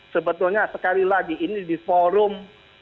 sebetulnya sekali lagi ini di forum